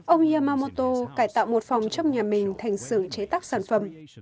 ông yamamoto cải tạo một phòng trong nhà mình thành xưởng chế tác sản phẩm